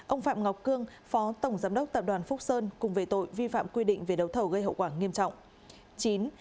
tám ông phạm ngọc cương phó tổng giám đốc tập đoàn phúc sơn cùng về tội vi phạm quy định về đấu thầu gây hậu quả nghiêm trọng